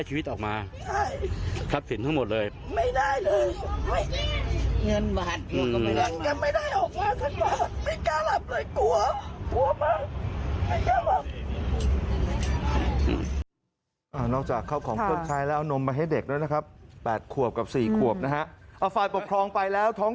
หมดหมดเกลี้ยงเลยพี่ไม่ได้อะไรออกมาเลย